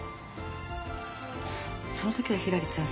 その時はひらりちゃん